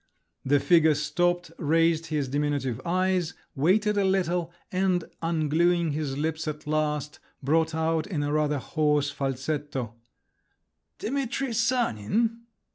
The figure stopped, raised his diminutive eyes, waited a little, and ungluing his lips at last, brought out in a rather hoarse falsetto, "Dimitri Sanin?"